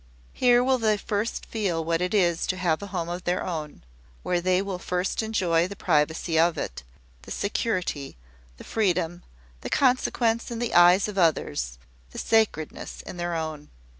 Here will they first feel what it is to have a home of their own where they will first enjoy the privacy of it, the security, the freedom, the consequence in the eyes of others, the sacredness in their own.